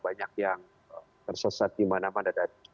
banyak yang tersesat dimanapun